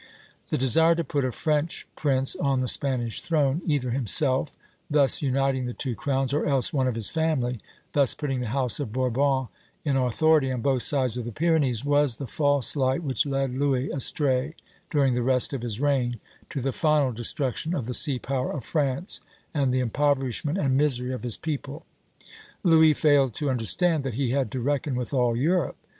The desire to put a French prince on the Spanish throne either himself, thus uniting the two crowns, or else one of his family, thus putting the House of Bourbon in authority on both sides of the Pyrenees was the false light which led Louis astray during the rest of his reign, to the final destruction of the sea power of France and the impoverishment and misery of his people. Louis failed to understand that he had to reckon with all Europe.